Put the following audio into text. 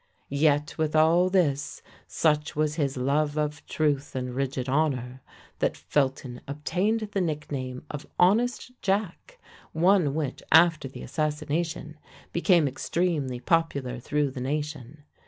Yet with all this, such was his love of truth and rigid honour, that Felton obtained the nickname of "honest Jack," one which, after the assassination, became extremely popular through the nation.